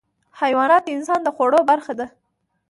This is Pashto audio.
حیوانات د انسان د خوړو برخه دي.